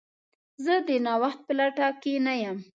زه د نوښت په لټه کې نه یم.